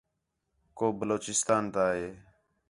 کُو بلوچستان تا ہے